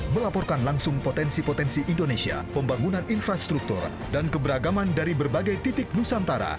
melaporkan langsung potensi potensi indonesia pembangunan infrastruktur dan keberagaman dari berbagai titik nusantara